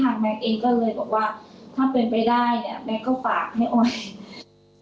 ถ้าเป็นไปได้แม็กซ์ก็ฝากให้ออย